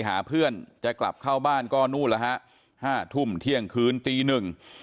หาเพื่อนจะกลับเข้าบ้านก็นู่นแล้วฮะห้าทุ่มเที่ยงคืนตีหนึ่ง